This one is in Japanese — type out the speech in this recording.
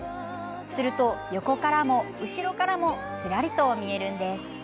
すると横からも後ろからもすらりと見えるんです。